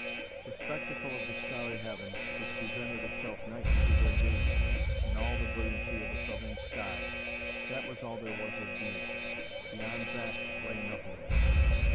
The spectacle of the starry heavens, which presented itself nightly to their gaze in all the brilliancy of a southern sky that was all there was of being, beyond that lay nothingness.